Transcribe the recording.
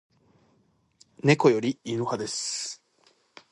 猫より犬派です